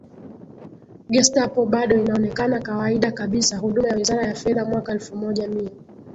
Gestapo bado inaonekana kawaida kabisahuduma ya wizara ya fedha Mwaka elfu moja mia